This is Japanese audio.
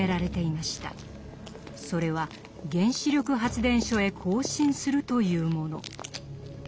それは原子力発電所へ行進するというもの。